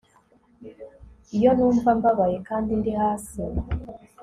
iyo numva mbabaye kandi ndi hasi